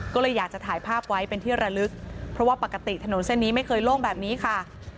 ก็เลยอยากจะถ่ายภาพไว้เป็นที่ระลึกเพราะว่าปกติถนนเส้นนี้ไม่เคยโล่งแบบนี้ค่ะ